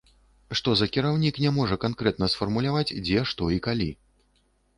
Што за кіраўнік не можа канкрэтна сфармуляваць дзе, што і калі.